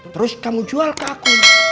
terus kamu jual ke aku